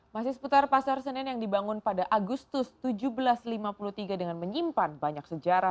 masih seputar pasar senen yang dibangun pada agustus seribu tujuh ratus lima puluh tiga dengan menyimpan banyak sejarah